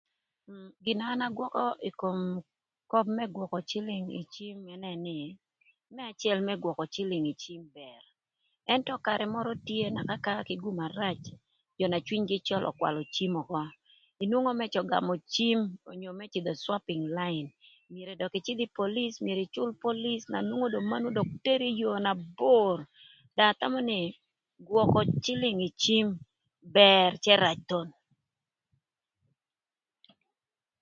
Gin na akobo ï kom köp më gwökö cïlïng ï cim ënë nï, më acël gwökö cïlïng ï cim bër ëntö karë mörö tye ëka kï gum arac jö na cwinygï cöl ökwalö cim ökö inwongo më cïdhö gamö cim onyo më cïdhö cwoping lain myero dökï ïcïdhï ï polic ïcül polic mano dökï teri ï yoo na bor do athamö nï gwökö cïlïng bër cë rac thon.